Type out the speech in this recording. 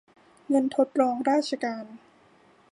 เงินทดรองราชการ